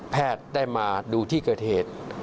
แพทย์ได้มาดูที่เกิดเหตุ